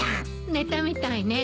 寝たみたいね。